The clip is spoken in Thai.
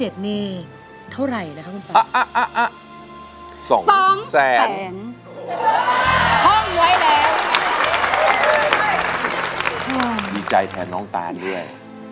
ดีใจแทนน้องตานด้วย